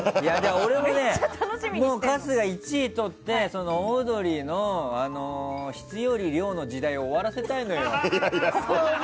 俺も春日１位とってオードリーの質より量の時代を終わらせたいのよ。